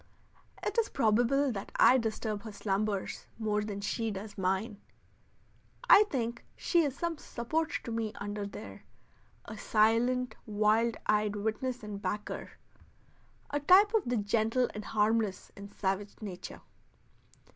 It is probable that I disturb her slumbers more than she does mine. I think she is some support to me under there a silent wild eyed witness and backer; a type of the gentle and harmless in savage nature.